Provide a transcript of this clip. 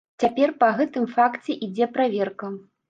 Цяпер па гэтым факце ідзе праверка.